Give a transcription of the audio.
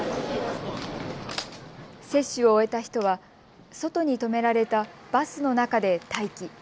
接種を終えた人は外に止められたバスの中で待機。